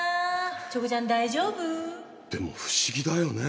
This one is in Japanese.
チョコちゃん大丈夫？でも不思議だよね。